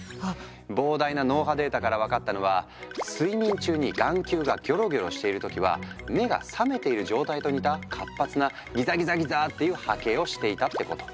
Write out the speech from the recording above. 膨大な脳波データから分かったのは睡眠中に眼球がギョロギョロしている時は目が覚めている状態と似た活発なギザギザギザーっていう波形をしていたってこと。